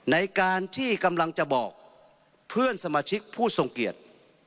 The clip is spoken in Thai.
ในการที่กำลังจะบอกเพื่อนสมาชิกผู้ทรงเกียจ